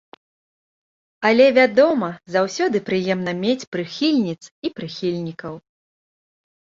Але, вядома, заўсёды прыемна мець прыхільніц і прыхільнікаў!